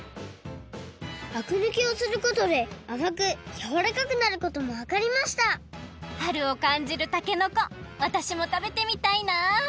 あくぬきをすることであまくやわらかくなることもわかりました春をかんじるたけのこわたしもたべてみたいな。